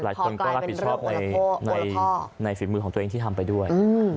หลายคนก็รับผิดชอบในฝีมือของตัวเองที่ทำไปด้วย